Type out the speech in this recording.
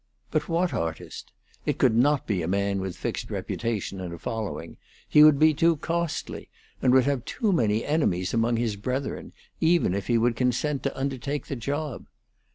But what artist? It could not be a man with fixed reputation and a following: he would be too costly, and would have too many enemies among his brethren, even if he would consent to undertake the job.